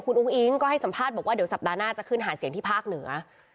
คุณอุ้งอิ๊งก็ให้สัมภาษณ์บอกว่าเดี๋ยวสัปดาห์หน้าจะขึ้นหาเสียงที่ภาคเหนือ